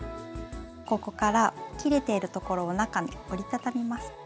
ここから切れているところを中に折りたたみます。